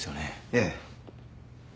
ええ。